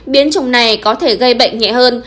biến chủng này có thể gây bệnh nhẹ hơn